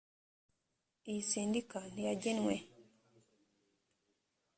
iyi sendika ntiyagenwe